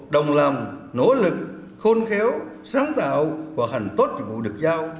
đồng làm nỗ lực khôn khéo sáng tạo và hành tốt dịch vụ được giao